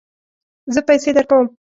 زه پیسې درکوم